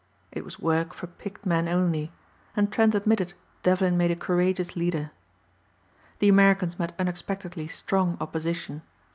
It was work for picked men only and Trent admitted Devlin made a courageous leader. The Americans met unexpectedly strong opposition.